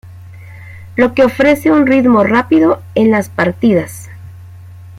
Lo que ofrece un ritmo rápido en las partidas.